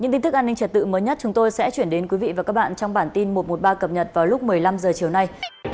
những tin tức an ninh trật tự mới nhất chúng tôi sẽ chuyển đến quý vị và các bạn trong bản tin một trăm một mươi ba cập nhật vào lúc một mươi năm h chiều nay